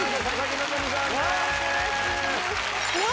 うわ！